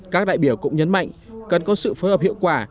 các đại biểu cũng nhấn mạnh cần có sự phối hợp hiệu quả